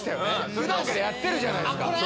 普段やってるじゃないですか。